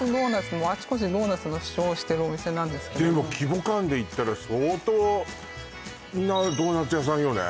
もうあちこちドーナツの主張をしてるお店なんですけどもでも規模感でいったら相当なドーナツ屋さんよね